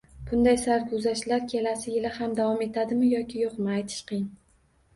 Bunday sarguzashtlar kelasi yili ham davom etadimi yoki yo'qmi, aytish qiyin